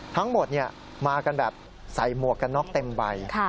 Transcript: ทั้งหมดมากันแบบใส่หมวกกันน็อกเต็มใบ